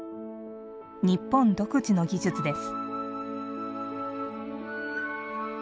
日本独自の技術です。